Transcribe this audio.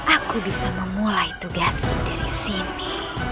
aku bisa memulai tugasku dari sini